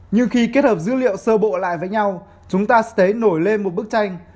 nhưng khi kết hợp dữ liệu sơ bộ lại với nhau chúng ta sấy nổi lên một bức tranh